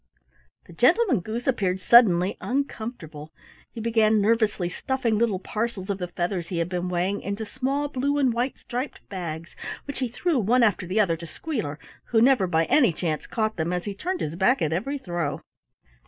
The Gentleman Goose appeared suddenly uncomfortable. He began nervously stuffing little parcels of the feathers he had been weighing into small blue and white striped bags, which he threw one after the other to Squealer, who never by any chance caught them as he turned his back at every throw.